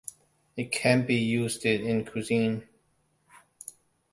It can be used in cuisine.